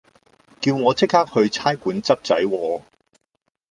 叫我即刻去差館執仔喎